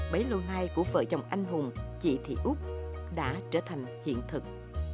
bấy lâu nay của vợ chồng anh hùng chị thị úc đã trở thành hiện thực